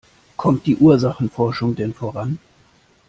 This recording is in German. Kommt die Ursachenforschung denn voran?